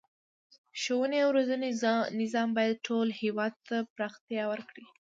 د ښوونې او روزنې نظام باید ټول هیواد ته پراختیا ورکړي.